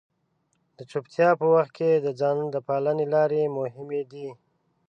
د چپتیا په وخت کې د ځان د پالنې لارې مهمې دي.